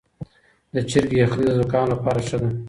د چرګ یخني د زکام لپاره ښه ده.